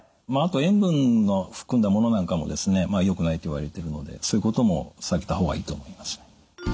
あと塩分の含んだものなんかもですねよくないといわれてるのでそういうことも避けた方がいいと思います。